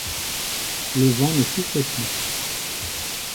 Le vent ne soufflait plus